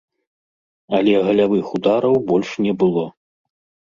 Але галявых удараў больш не было.